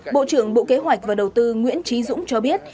bộ trưởng bộ kế hoạch và đầu tư nguyễn trí dũng cho biết